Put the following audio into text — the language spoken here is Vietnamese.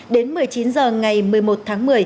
đến một mươi chín h ngày một mươi một tháng